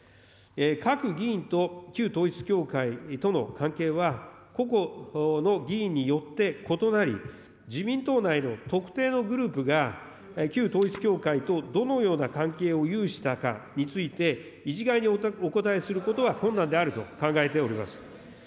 各議員と旧統一教会との関係は、個々の議員によって異なり、自民党内の特定のグループが、旧統一教会とどのような関係を有したかについて、一概にお答えすることは困難であると考えております。